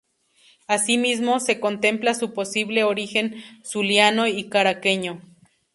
Asimismo, se contempla su posible origen zuliano y caraqueño.